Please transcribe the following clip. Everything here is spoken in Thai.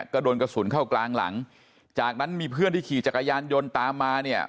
ก็โดนกระสุนเข้ากลางหลังจากนั้นมีเพื่อนที่ขี่จักรยานยนต์ตามมาเนี่ย